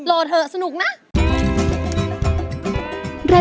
โหลดเถอะสนุกนะ